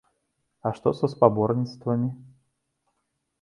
А што са спаборніцтвамі?